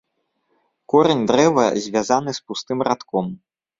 Корань дрэва звязаны з пустым радком.